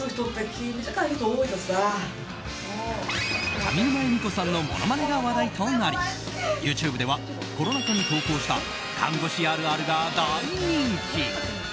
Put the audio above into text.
上沼恵美子さんのものまねが話題となりＹｏｕＴｕｂｅではコロナ禍に投稿した看護師あるあるが大人気。